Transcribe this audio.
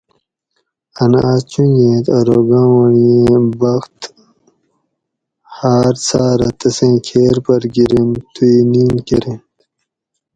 ان آس چونجیت اروگاونڑییٔن بخت ہاۤر ساۤرہ تسیں کھیر پھر گیرینت تو ئ نیِن کۤرینت